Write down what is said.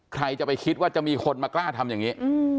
ใครจะไปคิดว่าจะมีคนมากล้าทำอย่างนี้